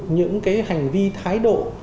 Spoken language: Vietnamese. những cái hành vi thái độ